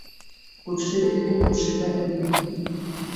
Күрше эте күршегә өрмәй.